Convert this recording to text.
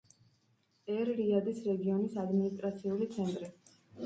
ერ-რიადის რეგიონის ადმინისტრაციული ცენტრი.